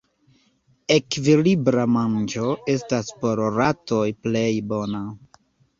Ekvilibra manĝo estas por ratoj plej bona.